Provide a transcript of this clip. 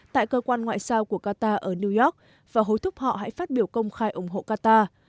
tại cơ quan ngoại giao của qatar ở new york và hối thúc họ hãy phát biểu công khai ủng hộ qatar